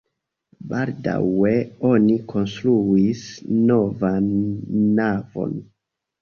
Baldaŭe oni konstruis novan navon.